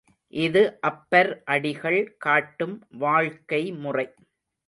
இது அப்பர் அடிகள் காட்டும் வாழ்க்கை முறை.